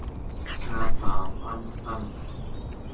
ชาวขาวคว่ำค่ำ